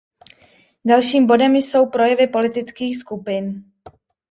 Dalším bodem jsou projevy politických skupin.